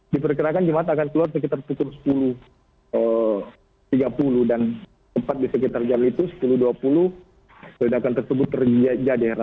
diperkirakan jemaat akan keluar sekitar pukul sepuluh tiga puluh dan tepat di sekitar jam itu sepuluh dua puluh ledakan tersebut terjadi hera